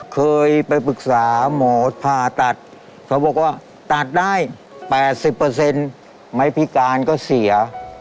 เคยไปปรึกษาหมอผ่าตัดเขาบอกว่าตัดได้๘๐ไม้พิการก็เสีย